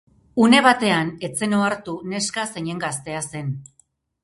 Une batean ez zen ohartu neska zeinen gaztea zen.